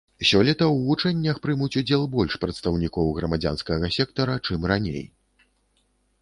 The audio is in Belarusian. Сёлета ў вучэннях прымуць удзел больш прадстаўнікоў грамадзянскага сектара, чым раней.